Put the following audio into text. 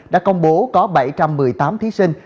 đã công bố có bảy trăm một mươi tám thí sinh